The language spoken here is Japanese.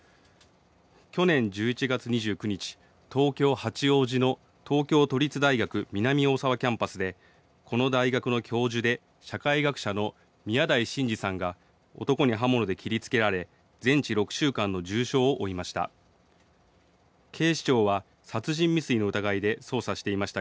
去年１１月２９日、東京八王子の東京都立大学南大沢キャンパスでこの大学の教授で社会学者の宮台真司さんが男に刃物で切りつけられ全治６週間の重傷を負いました。